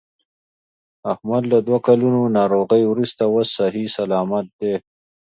احمد له دوه کلونو ناروغۍ ورسته اوس صحیح صلامت دی.